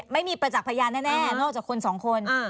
ไม่มีประจักษ์พยานแน่นอกจากคนสองคน